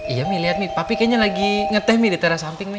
iya liat mi papi kayaknya lagi ngeteh di teras samping